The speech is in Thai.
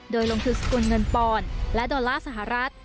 โดยลงทุนสกุลเงินปอนด์และดอลลาร์สหรัฐ